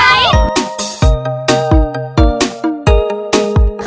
กรุงเทพค่ะ